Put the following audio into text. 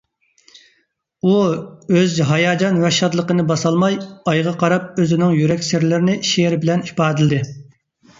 ئۇ ئۆز ھاياجان ۋە شادلىقىنى باسالماي، ئايغا قاراپ ئۆزىنىڭ يۈرەك سىرلىرىنى شېئىر بىلەن ئىپادىلىدى.